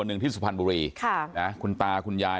หนึ่งที่สุพรรณบุรีคุณป่าขุนย่าย